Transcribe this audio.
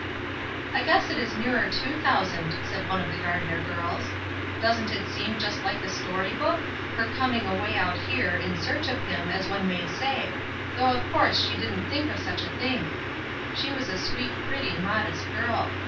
"I guess it is nearer two thousand," said one of the Gardner girls. "Doesn't it seem just like a story book ? Her coming away out here, in search of him, as one may say, though of course she didn't think of such a thing; she was a sweet, pretty, modest girl.